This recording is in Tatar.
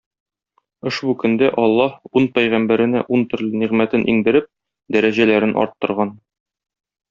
Ошбу көндә Аллаһ ун пәйгамбәренә ун төрле нигъмәтен иңдереп, дәрәҗәләрен арттырган.